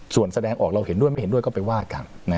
ส่วนแสดงออกเราเห็นด้วยไม่เห็นด้วยก็ไปว่ากัน